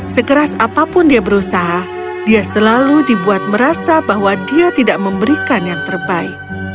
sekeras apapun dia berusaha dia selalu dibuat merasa bahwa dia tidak memberikan yang terbaik